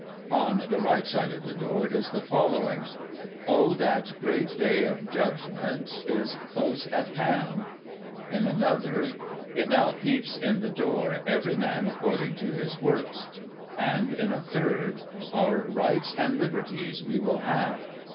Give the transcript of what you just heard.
On the rig^ht side of the door is the following :* O that great day of gudgment, is close at hand '; in another :* it now peps in the dor every man according to his woks '; and in a third :' Our rites and liberties We Will have.'